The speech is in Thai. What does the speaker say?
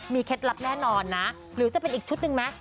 เคล็ดลับแน่นอนนะหรือจะเป็นอีกชุดหนึ่งไหม